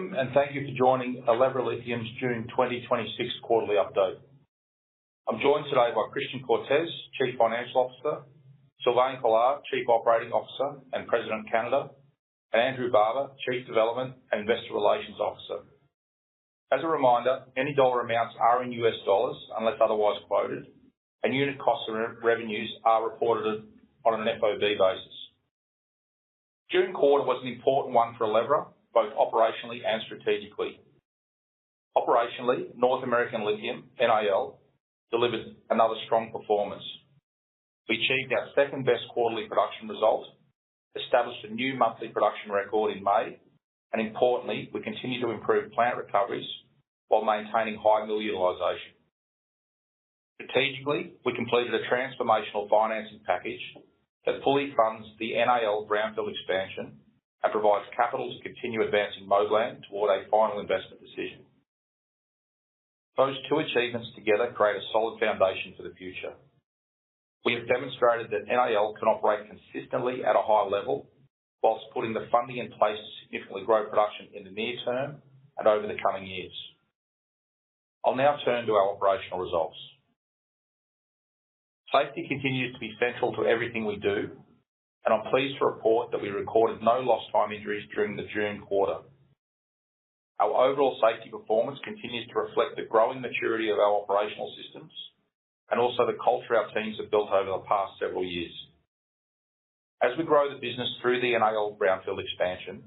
Welcome, thank you for joining Elevra Lithium's June 2026 quarterly update. I'm joined today by Christian Cortes, Chief Financial Officer, Sylvain Collard, Chief Operating Officer and President, Canada, and Andrew Barber, Chief Development and Investor Relations Officer. As a reminder, any dollar amounts are in U.S. dollars unless otherwise quoted, and unit cost and revenues are reported on an FOB basis. June quarter was an important one for Elevra, both operationally and strategically. Operationally, North American Lithium, NAL, delivered another strong performance. We achieved our second-best quarterly production result, established a new monthly production record in May, and importantly, we continue to improve plant recoveries while maintaining high mill utilization. Strategically, we completed a transformational financing package that fully funds the NAL brownfield expansion and provides capital to continue advancing Moblan toward a final investment decision. Those two achievements together create a solid foundation for the future. We have demonstrated that NAL can operate consistently at a high level whilst putting the funding in place to significantly grow production in the near term and over the coming years. I'll now turn to our operational results. Safety continues to be central to everything we do, and I'm pleased to report that we recorded no lost time injuries during the June quarter. Our overall safety performance continues to reflect the growing maturity of our operational systems and also the culture our teams have built over the past several years. As we grow the business through the NAL brownfield expansion,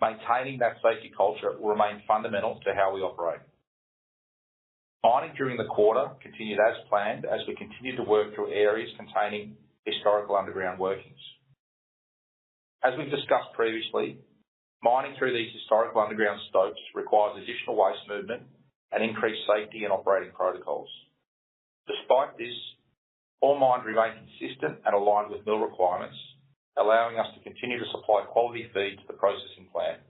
maintaining that safety culture will remain fundamental to how we operate. Mining during the quarter continued as planned as we continued to work through areas containing historical underground workings. As we've discussed previously, mining through these historical underground stopes requires additional waste movement and increased safety and operating protocols. Despite this, ore mined remained consistent and aligned with mill requirements, allowing us to continue to supply quality feed to the processing plant.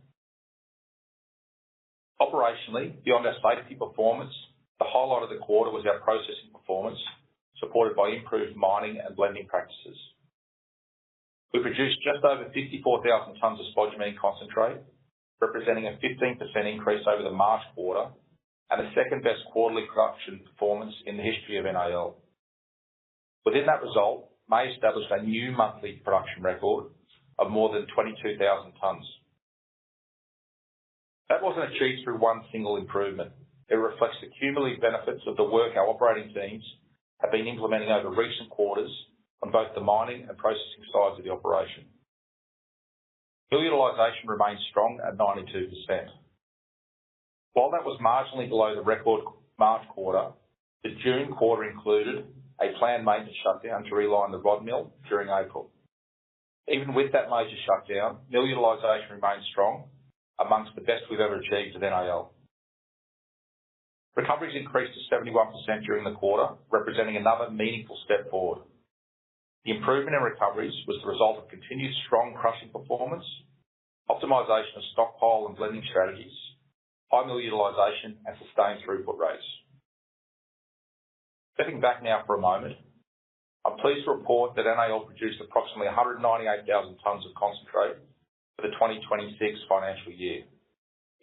Operationally, beyond our safety performance, the highlight of the quarter was our processing performance, supported by improved mining and blending practices. We produced just over 54,000 tonnes of spodumene concentrate, representing a 15% increase over the March quarter and the second-best quarterly production performance in the history of NAL. Within that result, May established a new monthly production record of more than 22,000 tonnes. That wasn't achieved through one single improvement. It reflects the cumulative benefits of the work our operating teams have been implementing over recent quarters on both the mining and processing sides of the operation. Mill utilization remained strong at 92%. While that was marginally below the record March quarter, the June quarter included a planned maintenance shutdown to realign the rod mill during April. Even with that major shutdown, mill utilization remained strong, amongst the best we've ever achieved at NAL. Recoveries increased to 71% during the quarter, representing another meaningful step forward. The improvement in recoveries was the result of continued strong crushing performance, optimization of stockpile and blending strategies, high mill utilization, and sustained throughput rates. Stepping back now for a moment, I'm pleased to report that NAL produced approximately 198,000 tonnes of concentrate for the 2026 financial year,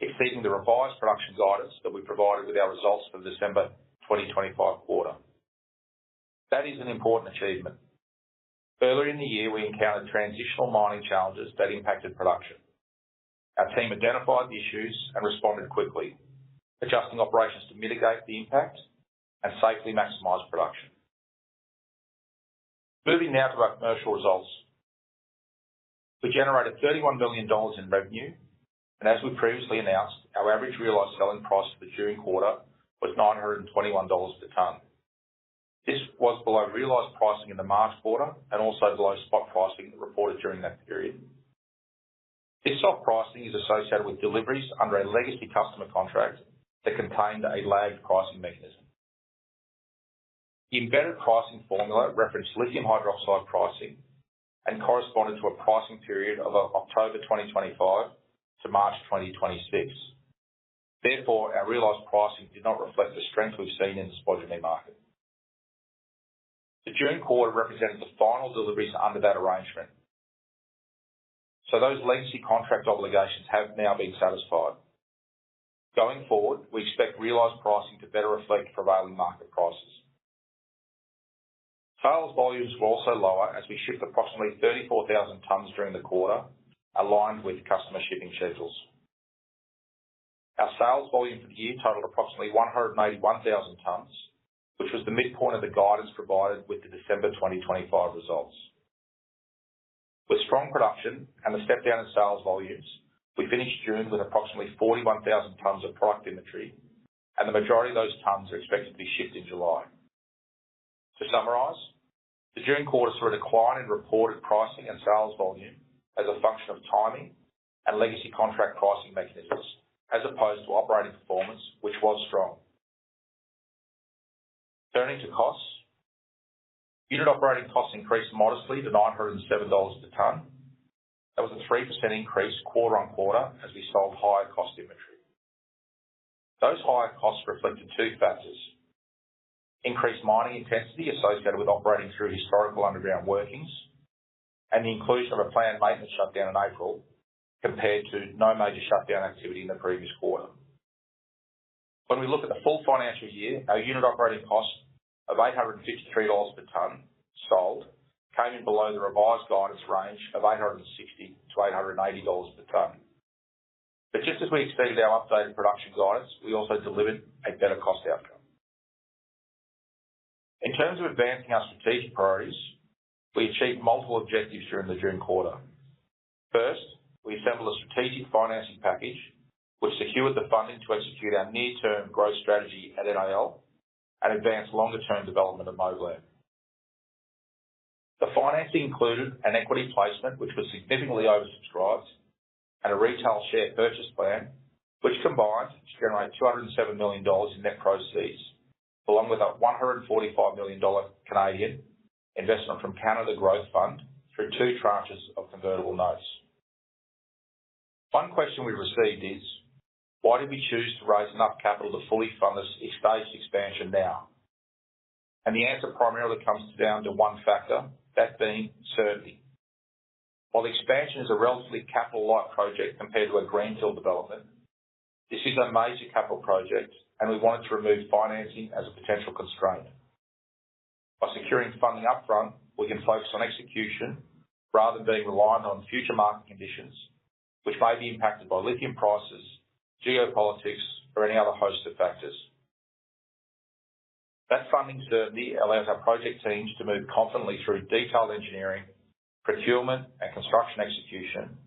exceeding the revised production guidance that we provided with our results for the December 2025 quarter. That is an important achievement. Earlier in the year, we encountered transitional mining challenges that impacted production. Our team identified the issues and responded quickly, adjusting operations to mitigate the impact and safely maximize production. Moving now to our commercial results. We generated $31 million in revenue, as we previously announced, our average realized selling price for the June quarter was $921 per tonne. This was below realized pricing in the March quarter and also below spot pricing reported during that period. This spot pricing is associated with deliveries under a legacy customer contract that contained a lagged pricing mechanism. The embedded pricing formula referenced lithium hydroxide pricing and corresponded to a pricing period of October 2025 to March 2026. Therefore, our realized pricing did not reflect the strength we've seen in the spodumene market. The June quarter represented the final deliveries under that arrangement. Those legacy contract obligations have now been satisfied. Going forward, we expect realized pricing to better reflect prevailing market prices. Sales volumes were also lower as we shipped approximately 34,000 tonnes during the quarter, aligned with customer shipping schedules. Our sales volume for the year totaled approximately 181,000 tonnes, which was the midpoint of the guidance provided with the December 2025 results. With strong production and a step down in sales volumes, we finished June with approximately 41,000 tonnes of product inventory, and the majority of those tonnes are expected to be shipped in July. To summarize, the June quarter saw a decline in reported pricing and sales volume as a function of timing and legacy contract pricing mechanisms as opposed to operating performance, which was strong. Turning to costs. Unit operating costs increased modestly to $907 per tonne. That was a 3% increase quarter-on-quarter as we sold higher cost inventory. Those higher costs reflect the two factors. Increased mining intensity associated with operating through historical underground workings, and the inclusion of a planned maintenance shutdown in April compared to no major shutdown activity in the previous quarter. When we look at the full financial year, our unit operating cost of $853 per tonne sold came in below the revised guidance range of $860-$880 per tonne. Just as we exceeded our updated production guidance, we also delivered a better cost outcome. In terms of advancing our strategic priorities, we achieved multiple objectives during the June quarter. First, we assembled a strategic financing package which secured the funding to execute our near-term growth strategy at NAL and advanced longer-term development at Moblan. The financing included an equity placement which was significantly oversubscribed and a retail share purchase plan which combined to generate $207 million in net proceeds, along with a 145 million Canadian dollars investment from Canada Growth Fund through two tranches of convertible notes. One question we received is: why did we choose to raise enough capital to fully fund this staged expansion now? The answer primarily comes down to one factor, that being certainty. While expansion is a relatively capital-light project compared to a greenfield development, this is a major capital project and we wanted to remove financing as a potential constraint. By securing funding upfront, we can focus on execution rather than being reliant on future market conditions, which may be impacted by lithium prices, geopolitics, or any other host of factors. That funding certainty allows our project teams to move confidently through detailed engineering, procurement, and construction execution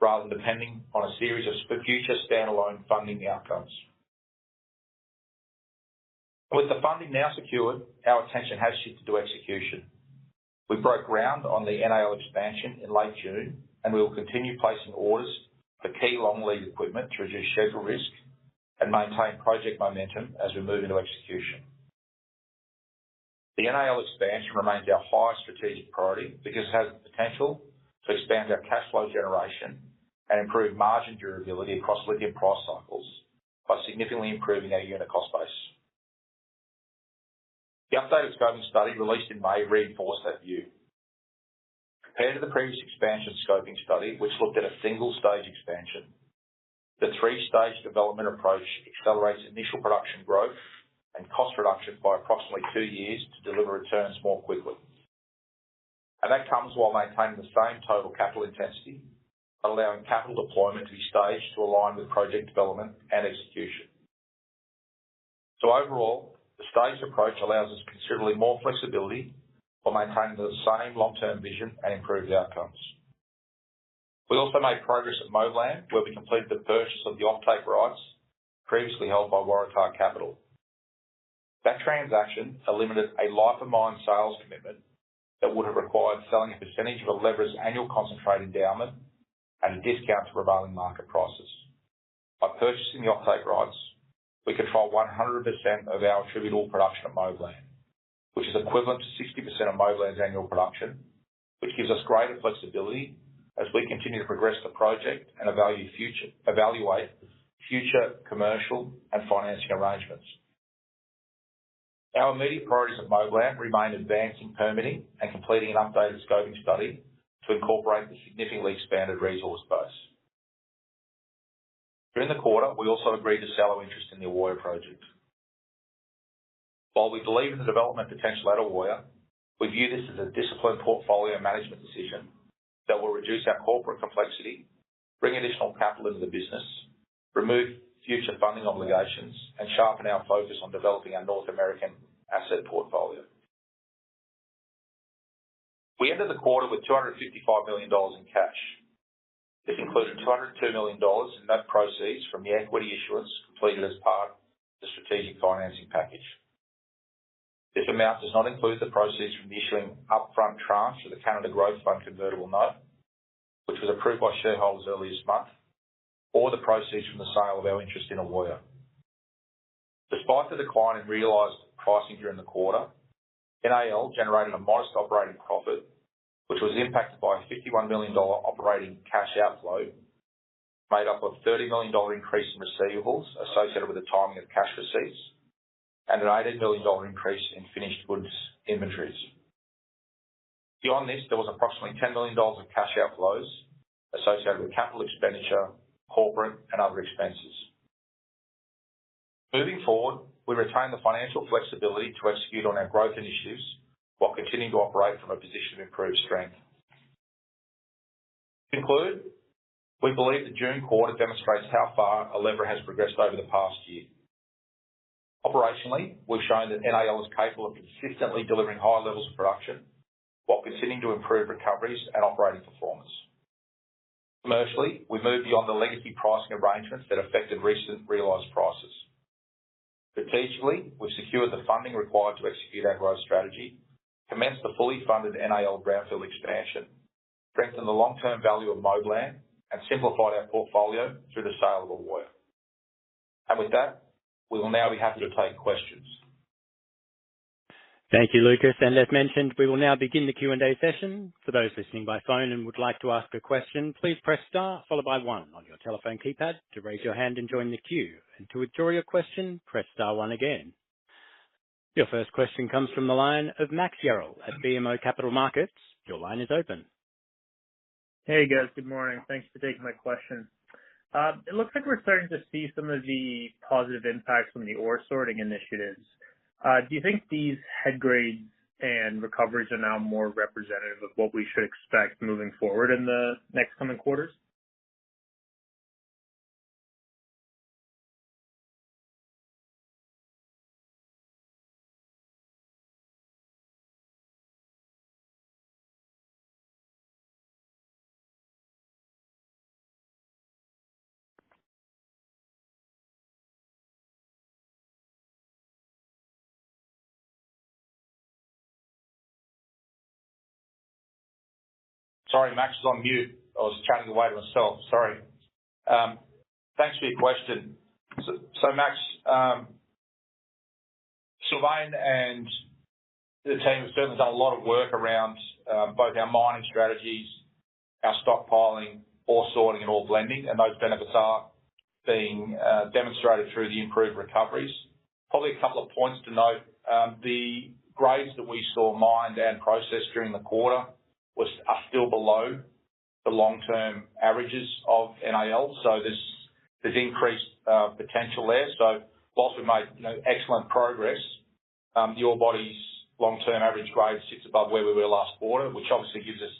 rather than depending on a series of future standalone funding outcomes. With the funding now secured, our attention has shifted to execution. We broke ground on the NAL expansion in late June, and we will continue placing orders for key long lead equipment to reduce schedule risk and maintain project momentum as we move into execution. The NAL expansion remains our highest strategic priority because it has the potential to expand our cash flow generation and improve margin durability across lithium price cycles by significantly improving our unit cost base. The updated scoping study released in May reinforced that view. Compared to the previous expansion scoping study, which looked at a single-stage expansion, the 3-stage development approach accelerates initial production growth and cost reduction by approximately two years to deliver returns more quickly. That comes while maintaining the same total capital intensity, allowing capital deployment to be staged to align with project development and execution. Overall, the staged approach allows us considerably more flexibility while maintaining the same long-term vision and improved outcomes. We also made progress at Moblan, where we completed the purchase of the offtake rights previously held by Waratah Capital. That transaction eliminated a life of mine sales commitment that would have required selling a percentage of Elevra's annual concentrate endowment at a discount to prevailing market prices. By purchasing the offtake rights, we control 100% of our attributable production at Moblan, which is equivalent to 60% of Moblan's annual production, which gives us greater flexibility as we continue to progress the project and evaluate future commercial and financing arrangements. Our immediate priorities at Moblan remain advancing permitting and completing an updated scoping study to incorporate the significantly expanded resource base. During the quarter, we also agreed to sell our interest in the Ewoyaa project. While we believe in the development potential at Ewoyaa, we view this as a disciplined portfolio management decision that will reduce our corporate complexity, bring additional capital into the business, remove future funding obligations, and sharpen our focus on developing our North American asset portfolio. We ended the quarter with $255 million in cash. This included $202 million in net proceeds from the equity issuance completed as part of the strategic financing package. This amount does not include the proceeds from the issuing upfront tranche of the Canada Growth Fund convertible note, which was approved by shareholders earlier this month, or the proceeds from the sale of our interest in Ewoyaa. Despite the decline in realized pricing during the quarter, NAL generated a modest operating profit, which was impacted by a $51 million operating cash outflow, made up of $30 million increase in receivables associated with the timing of cash receipts, and an $18 million increase in finished goods inventories. Beyond this, there was approximately $10 million of cash outflows associated with capital expenditure, corporate, and other expenses. Moving forward, we retain the financial flexibility to execute on our growth initiatives while continuing to operate from a position of improved strength. To conclude, we believe the June quarter demonstrates how far Elevra has progressed over the past year. Operationally, we've shown that NAL is capable of consistently delivering high levels of production while continuing to improve recoveries and operating performance. Commercially, we moved beyond the legacy pricing arrangements that affected recent realized prices. Strategically, we secured the funding required to execute our growth strategy, commenced the fully funded NAL Brownfield Expansion, strengthened the long-term value of Moblan, and simplified our portfolio through the sale of Ewoyaa. With that, we will now be happy to take questions. Thank you, Lucas. As mentioned, we will now begin the Q&A session. For those listening by phone and would like to ask a question, please press star followed by one on your telephone keypad to raise your hand and join the queue. To withdraw your question, press star one again. Your first question comes from the line of Max Yarrell at BMO Capital Markets. Your line is open. Hey, guys. Good morning. Thanks for taking my question. It looks like we're starting to see some of the positive impacts from the ore sorting initiatives. Do you think these head grades and recoveries are now more representative of what we should expect moving forward in the next coming quarters? Sorry, Max was on mute. I was chatting away to myself. Sorry. Thanks for your question. Max, Sylvain and the team have certainly done a lot of work around both our mining strategies, our stockpiling, ore sorting and ore blending, and those benefits are being demonstrated through the improved recoveries. Probably a couple of points to note. The grades that we saw mined and processed during the quarter are still below the long-term averages of NAL, there's increased potential there. Whilst we've made excellent progress, the ore body's long-term average grade sits above where we were last quarter, which obviously gives us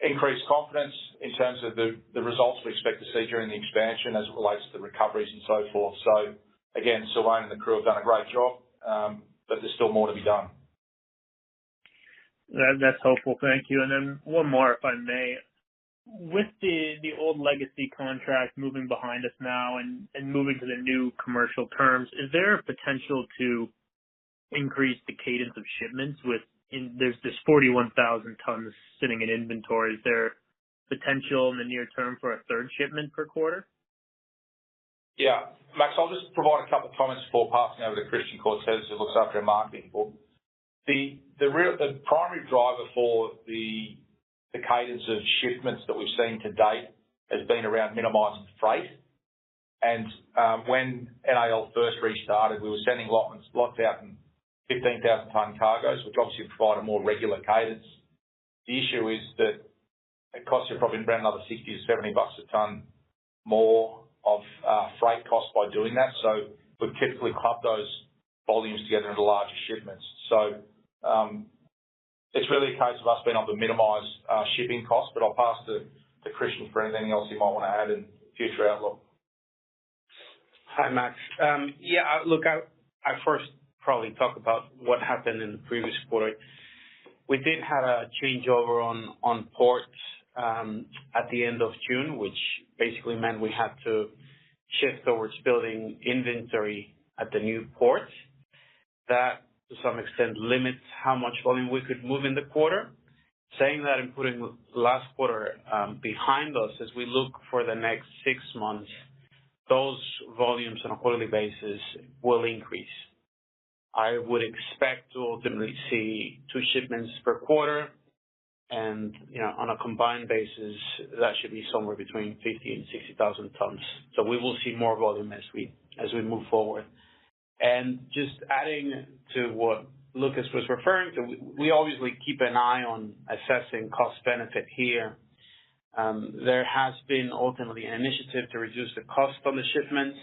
increased confidence in terms of the results we expect to see during the expansion as it relates to the recoveries and so forth. Again, Sylvain and the crew have done a great job, but there's still more to be done. That's helpful. Thank you. One more, if I may. With the old legacy contract moving behind us now and moving to the new commercial terms, is there a potential to increase the cadence of shipments? There's this 41,000 tons sitting in inventory. Is there potential in the near term for a third shipment per quarter? Yeah. Max, I'll just provide a couple of comments before passing over to Christian Cortes, who looks after our marketing for the primary driver for the cadence of shipments that we've seen to date has been around minimizing freight. When NAL first restarted, we were sending lots out in 15,000-ton cargoes, which obviously provided a more regular cadence. The issue is that it costs you probably around another $60-$70 a ton more of freight cost by doing that. We've typically clubbed those volumes together into larger shipments. It's really a case of us being able to minimize our shipping costs, I'll pass to Christian for anything else he might want to add in future outlook. Hi, Max. Yeah, look, I first probably talk about what happened in the previous quarter. We did have a changeover on ports at the end of June, which basically meant we had to shift towards building inventory at the new port. That, to some extent, limits how much volume we could move in the quarter. Saying that and putting last quarter behind us, as we look for the next six months, those volumes on a quarterly basis will increase. I would expect to ultimately see two shipments per quarter and on a combined basis, that should be somewhere between 50,000 and 60,000 tons. We will see more volume as we move forward. Just adding to what Lucas was referring to, we obviously keep an eye on assessing cost benefit here. There has been ultimately an initiative to reduce the cost on the shipments.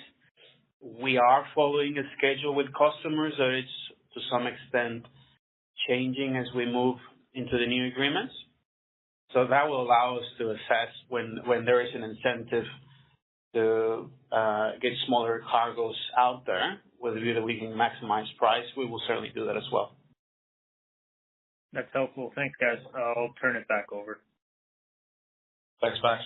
We are following a schedule with customers, it's to some extent changing as we move into the new agreements. That will allow us to assess when there is an incentive to get smaller cargoes out there. Whether be that we can maximize price, we will certainly do that as well. That's helpful. Thanks, guys. I'll turn it back over. Thanks, Max.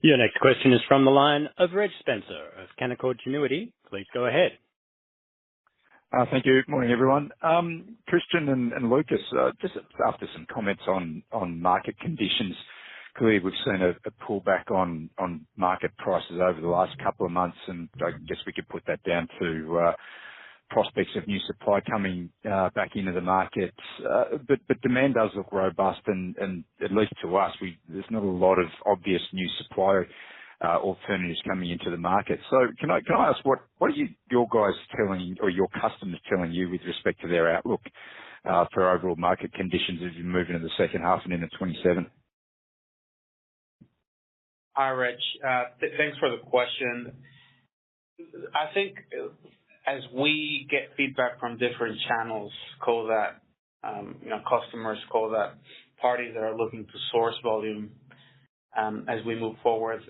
Your next question is from the line of Reg Spencer of Canaccord Genuity. Please go ahead. Thank you. Morning, everyone. Christian and Lucas, just after some comments on market conditions. Clearly, we've seen a pullback on market prices over the last couple of months. I guess we could put that down to prospects of new supply coming back into the market. Demand does look robust and, at least to us, there's not a lot of obvious new supply alternatives coming into the market. Can I ask, what are your guys telling or your customers telling you with respect to their outlook for overall market conditions as you move into the second half and into 2027? Hi, Reg. Thanks for the question. I think as we get feedback from different channels, call that customers, call that parties that are looking to source volume as we move forward.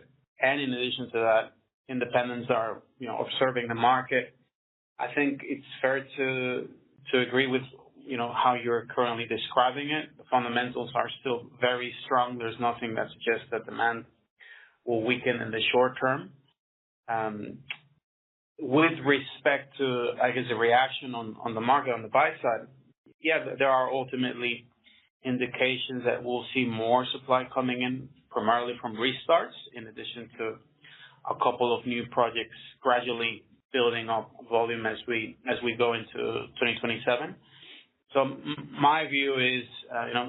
In addition to that, independents are observing the market. I think it's fair to agree with how you're currently describing it. The fundamentals are still very strong. There's nothing that suggests that demand will weaken in the short term. With respect to, I guess, the reaction on the market, on the buy side, yeah, there are ultimately indications that we'll see more supply coming in, primarily from restarts in addition to a couple of new projects gradually building up volume as we go into 2027. My view is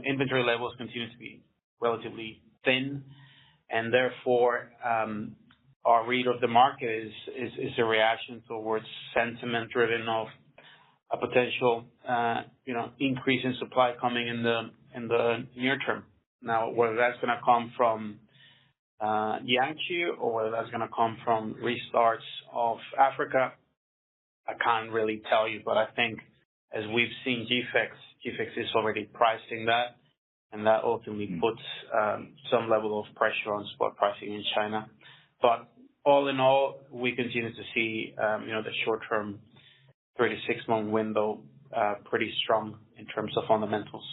inventory levels continue to be relatively thin and therefore, our read of the market is a reaction towards sentiment driven off a potential increase in supply coming in the near term. Now, whether that's going to come from Jiangxi or whether that's going to come from restarts of Africa, I can't really tell you, but I think as we've seen GFEX is already pricing that, and that ultimately puts some level of pressure on spot pricing in China. All in all, we continue to see the short-term three to six-month window pretty strong in terms of fundamentals.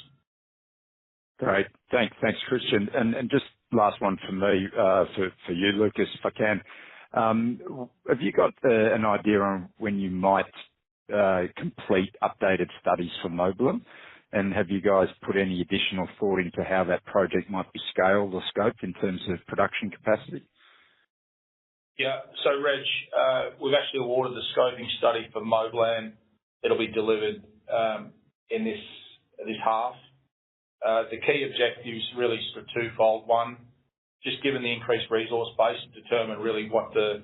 Great. Thanks, Christian. Just last one from me for you, Lucas, if I can. Have you got an idea on when you might complete updated studies for Moblan? Have you guys put any additional thought into how that project might be scaled or scoped in terms of production capacity? Yeah. Reg, we've actually awarded the scoping study for Moblan that'll be delivered in this half. The key objective is really sort of twofold. One, just given the increased resource base to determine really what the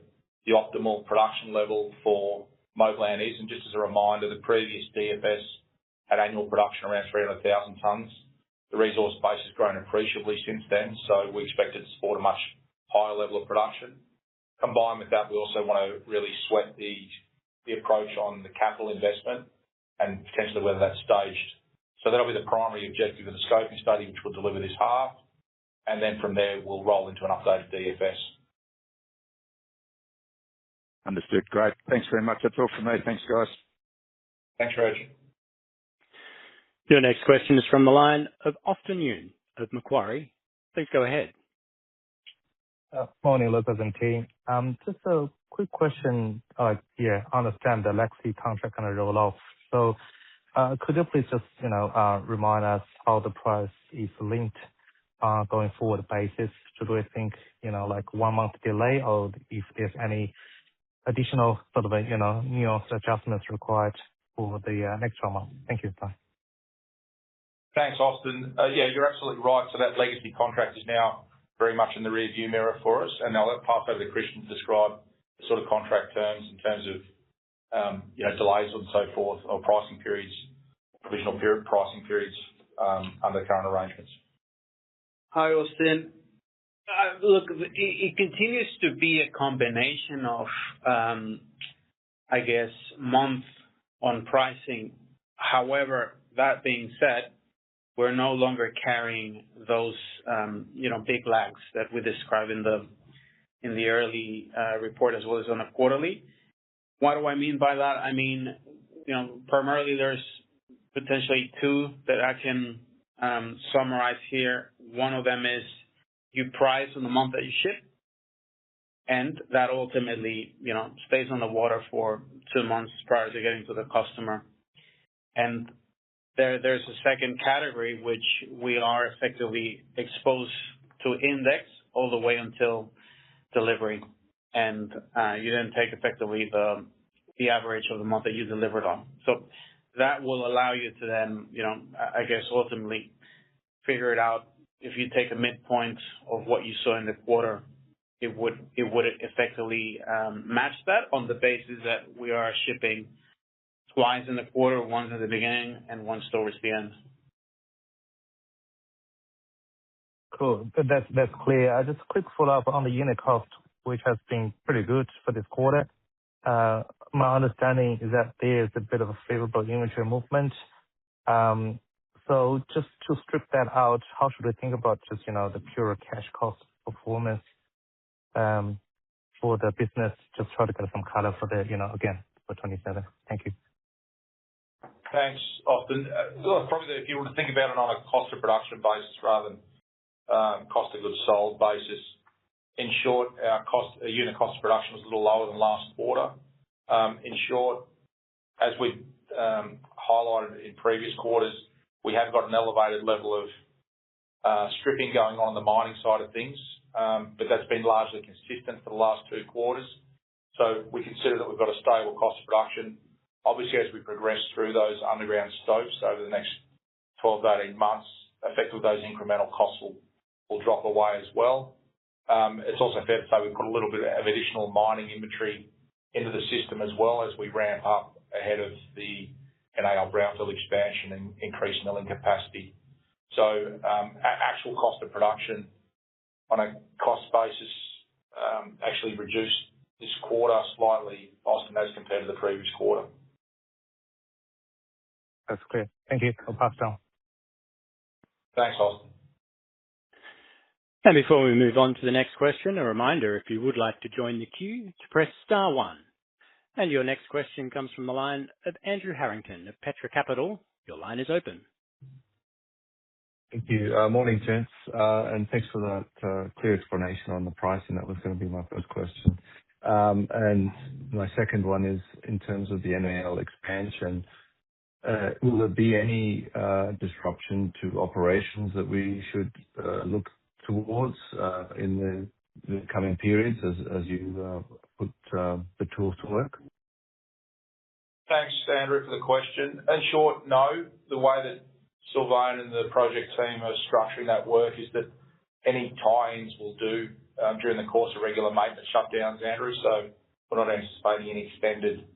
optimal production level for Moblan is. Just as a reminder, the previous DFS had annual production around 300,000 tons. The resource base has grown appreciably since then, so we expect it to support a much higher level of production. Combined with that, we also want to really sweat the approach on the capital investment and potentially whether that's staged. That'll be the primary objective of the scoping study, which we'll deliver this half. From there, we'll roll into an updated DFS. Understood. Great. Thanks very much. That's all from me. Thanks, guys. Thanks, Reg. Your next question is from the line of Austin Yun of Macquarie. Please go ahead. Morning, Lucas and team. Just a quick question. Yeah, I understand the legacy contract going to roll off. Could you please just remind us how the price is linked, going forward basis? Should we think one-month delay or if there's any additional sort of nuance adjustments required for the next 12 months? Thank you. Bye. Thanks, Austin. Yeah, you're absolutely right. That legacy contract is now very much in the rear-view mirror for us. I'll pass over to Christian to describe the sort of contract terms in terms of delays and so forth or pricing periods, provisional pricing periods, under the current arrangements. Hi, Austin. Look, it continues to be a combination of, I guess, months on pricing. However, that being said, we're no longer carrying those big lags that we described in the early report as well as on the quarterly. What do I mean by that? I mean, primarily there's potentially two that I can summarize here. One of them is you price in the month that you ship, and that ultimately stays on the water for two months prior to getting to the customer. There's a second category, which we are effectively exposed to index all the way until delivery. You then take effectively the average of the month that you delivered on. That will allow you to then, I guess, ultimately figure it out. If you take a midpoint of what you saw in the quarter, it would effectively match that on the basis that we are shipping twice in the quarter, once at the beginning and once towards the end. Cool. That's clear. Just a quick follow-up on the unit cost, which has been pretty good for this quarter. My understanding is that there's a bit of a favorable inventory movement. Just to strip that out, how should we think about just the pure cash cost performance for the business? Just try to get some color for the, again, for FY 2027. Thank you. Thanks, Austin. Look, probably if you were to think about it on a cost of production basis rather than cost of goods sold basis, in short, our unit cost of production was a little lower than last quarter. In short, as we've highlighted in previous quarters, we have got an elevated level of stripping going on in the mining side of things. That's been largely consistent for the last two quarters. We consider that we've got a stable cost of production. Obviously, as we progress through those underground stopes over the next 12-18 months, effectively those incremental costs will drop away as well. It's also fair to say we've got a little bit of additional mining inventory into the system as well as we ramp up ahead of the NAL brownfield expansion and increase milling capacity. Our actual cost of production on a cost basis actually reduced this quarter slightly, Austin, as compared to the previous quarter. That's clear. Thank you. I'll pass it on. Thanks, Austin. Before we move on to the next question, a reminder, if you would like to join the queue, to press star one. Your next question comes from the line of Andrew Harrington of Petra Capital. Your line is open. Thank you. Morning, gents, and thanks for that clear explanation on the pricing. That was going to be my first question. My second one is in terms of the NAL expansion, will there be any disruption to operations that we should look towards in the coming periods as you put the tools to work? Thanks, Andrew, for the question. In short, no. The way that Sylvain and the project team are structuring that work is that any tie-ins will do during the course of regular maintenance shutdowns, Andrew. We're not anticipating any extended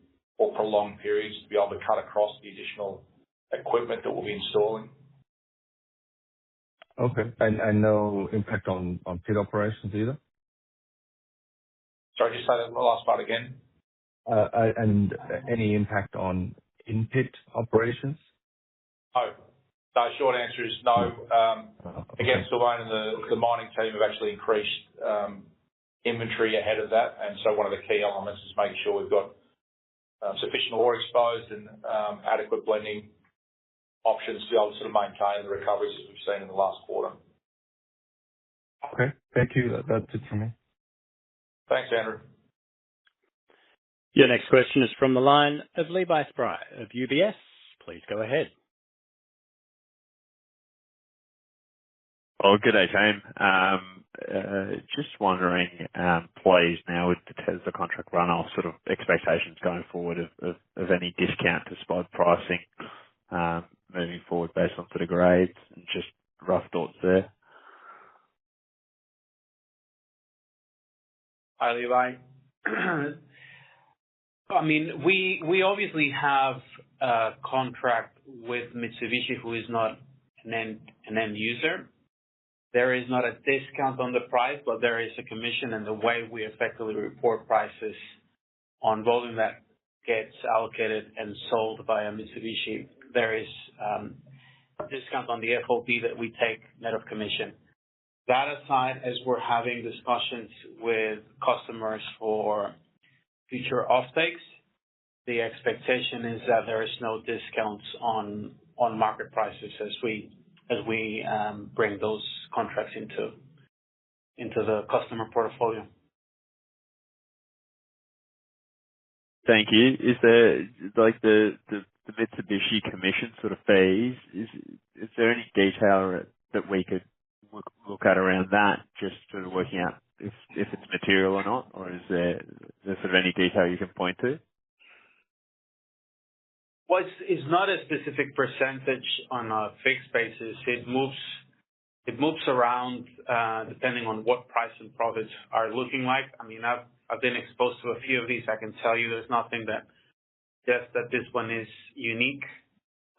or prolonged periods to be able to cut across the additional equipment that we'll be installing. Okay. No impact on pit operations either? Sorry, just say the last part again? Any impact on in-pit operations? No. The short answer is no. Okay. Again, Sylvain and the mining team have actually increased inventory ahead of that. One of the key elements is making sure we've got sufficient ore exposed and adequate blending options to be able to maintain the recoveries as we've seen in the last quarter. Okay. Thank you. That's it from me. Thanks, Andrew. Your next question is from the line of Levi Spry of UBS. Please go ahead. Good day, team. Just wondering, employees now, as the contract run off, expectations going forward of any discount to spot pricing, moving forward based off of the grades and just rough thoughts there? Hi, Levi. We obviously have a contract with Mitsubishi, who is not an end user. There is not a discount on the price, but there is a commission in the way we effectively report prices on volume that gets allocated and sold by Mitsubishi. There is a discount on the FOB that we take net of commission. That aside, as we're having discussions with customers for future off-takes, the expectation is that there is no discounts on market prices as we bring those contracts into the customer portfolio. Thank you. Is the Mitsubishi commission phase, is there any detail that we could look at around that, just working out if it's material or not? Or is there any detail you can point to? Well, it's not a specific percentage on a fixed basis. It moves around, depending on what price and profits are looking like. I've been exposed to a few of these. I can tell you there's nothing that suggests that this one is unique.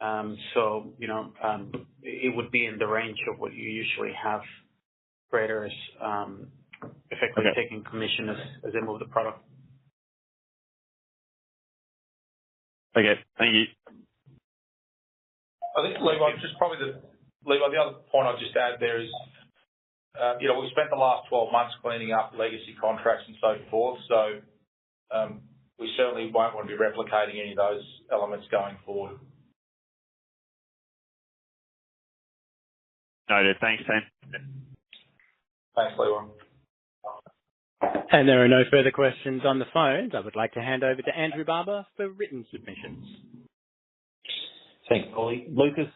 It would be in the range of what you usually have traders- Okay Efectively taking commission as they move the product. Okay. Thank you. I think, Levi, the other point I'd just add there is, we spent the last 12 months cleaning up legacy contracts and so forth. We certainly won't want to be replicating any of those elements going forward. Noted. Thanks, team. Thanks, Levi. There are no further questions on the phone. I would like to hand over to Andrew Barber for written submissions. Thanks, [Ollie]. Lucas,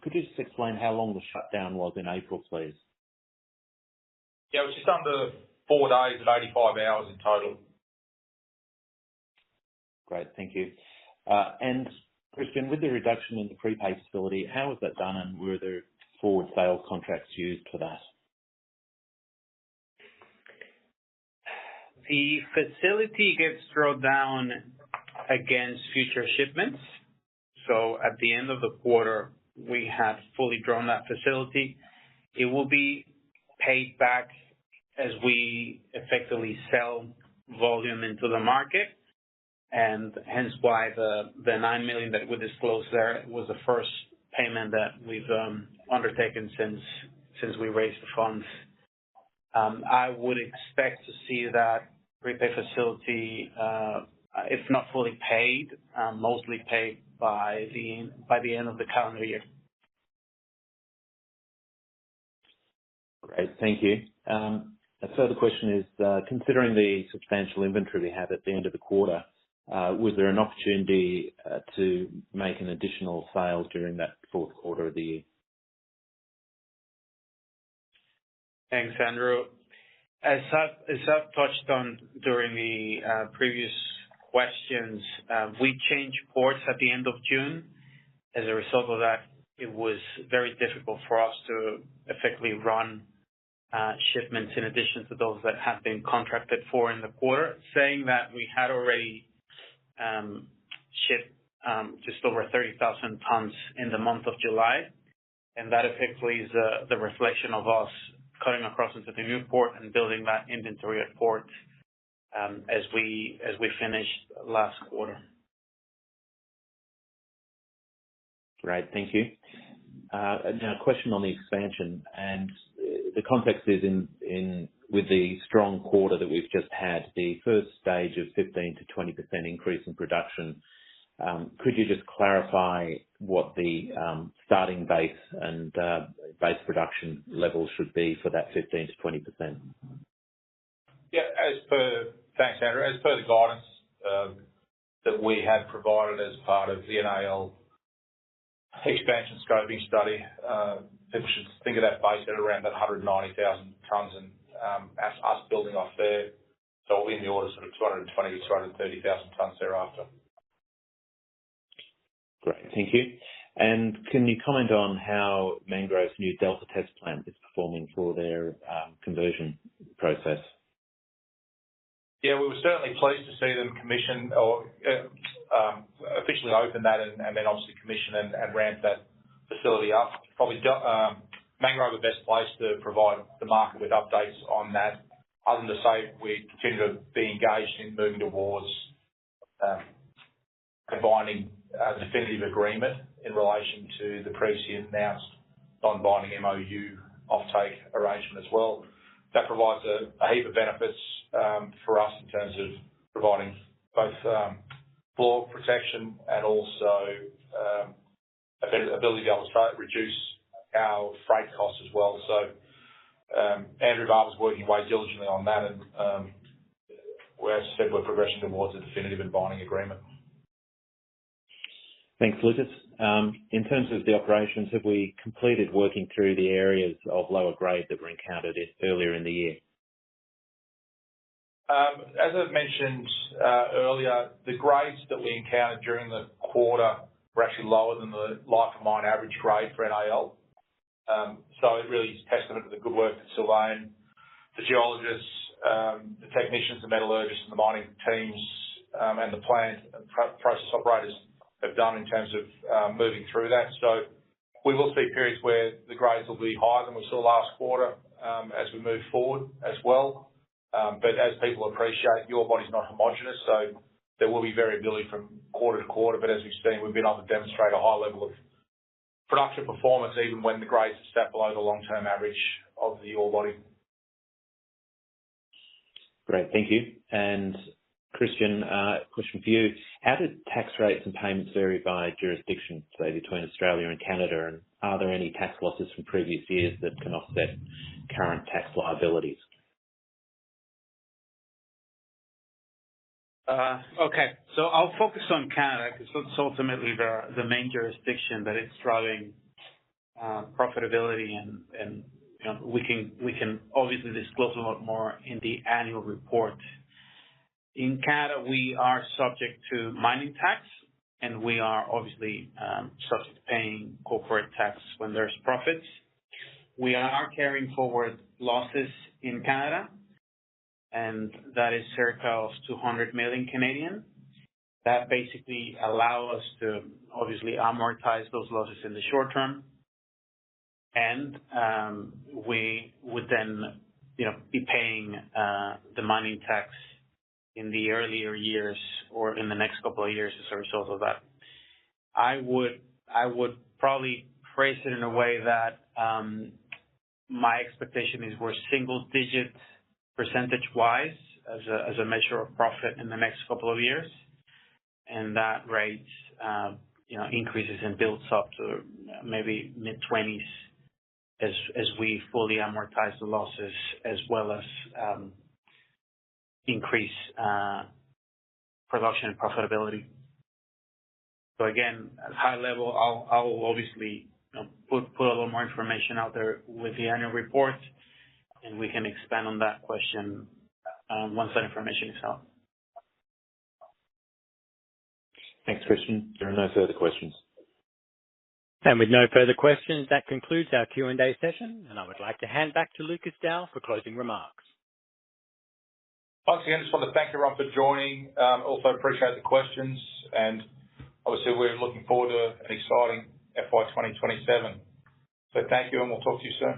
could you just explain how long the shutdown was in April, please? Yeah. It was just under four days and 85 hours in total. Great. Thank you. Christian, with the reduction in the prepay facility, how was that done, and were there forward sale contracts used for that? The facility gets drawn down against future shipments. At the end of the quarter, we have fully drawn that facility. It will be paid back as we effectively sell volume into the market, and hence why the $9 million that we disclosed there was the first payment that we've undertaken since we raised the funds. I would expect to see that prepay facility, if not fully paid, mostly paid by the end of the calendar year. Great. Thank you. A further question is, considering the substantial inventory we have at the end of the quarter, was there an opportunity to make an additional sale during that fourth quarter of the year? Thanks, Andrew. As I've touched on during the previous questions, we changed ports at the end of June. As a result of that, it was very difficult for us to effectively run shipments in addition to those that have been contracted for in the quarter. Saying that, we had already shipped just over 30,000 tons in the month of July, and that effectively is the reflection of us cutting across into the new port and building that inventory at port as we finished last quarter. Great. Thank you. Now, a question on the expansion. The context is with the strong quarter that we've just had, the first stage of 15%-20% increase in production, could you just clarify what the starting base and base production levels should be for that 15%-20%? Yeah. Thanks, Andrew. As per the guidance that we have provided as part of the NAL expansion scoping study, people should think of that base at around that 190,000 tons and us building off there. In the order, sort of 220,000 tons-230,000 tons thereafter. Great. Thank you. Can you comment on how Mangrove's new Delta test plant is performing for their conversion process? Yeah, we were certainly pleased to see them commission or officially open that and then obviously commission and ramp that facility up. Probably Mangrove are best placed to provide the market with updates on that. Other than to say we continue to be engaged in moving towards combining a definitive agreement in relation to the previously announced non-binding MoU offtake arrangement as well. That provides a heap of benefits for us in terms of providing both floor protection and also ability to be able to reduce our freight costs as well. Andrew Barber's working away diligently on that, and as I said, we're progressing towards a definitive and binding agreement. Thanks, Lucas. In terms of the operations, have we completed working through the areas of lower grade that were encountered earlier in the year? As I've mentioned earlier, the grades that we encountered during the quarter were actually lower than the life of mine average grade for NAL. It really is a testament to the good work that Sylvain, the geologists, the technicians, the metallurgists and the mining teams, and the plant and process operators have done in terms of moving through that. We will see periods where the grades will be higher than we saw last quarter, as we move forward as well. As people appreciate, the ore body's not homogeneous, there will be variability from quarter-to-quarter. As we've seen, we've been able to demonstrate a high level of production performance even when the grades are a step below the long-term average of the ore body. Great, thank you. Christian, a question for you. How do tax rates and payments vary by jurisdiction, say between Australia and Canada? Are there any tax losses from previous years that can offset current tax liabilities? Okay. I'll focus on Canada, because that's ultimately the main jurisdiction that is driving profitability, and we can obviously disclose a lot more in the annual report. In Canada, we are subject to mining tax, and we are obviously subject to paying corporate tax when there's profits. We are carrying forward losses in Canada, and that is circa 200 million. That basically allow us to obviously amortize those losses in the short term. We would then be paying the mining tax in the earlier years or in the next couple of years as a result of that. I would probably phrase it in a way that my expectation is we are single-digits percentage-wise as a measure of profit in the next couple of years, and that rate increases and builds up to maybe mid-twenties as we fully amortize the losses as well as increase production and profitability. Again, at a high level, I will obviously put a little more information out there with the annual report, and we can expand on that question once that information is out. Thanks, Christian. There are no further questions. With no further questions, that concludes our Q&A session, I would like to hand back to Lucas Dow for closing remarks. Once again, I just want to thank everyone for joining. Appreciate the questions, obviously, we're looking forward to an exciting FY 2027. Thank you, we'll talk to you soon.